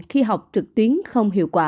khi học trực tuyến không hiểu được con